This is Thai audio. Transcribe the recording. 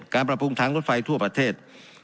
การปรับปรุงทางรถไฟทั่วประเทศ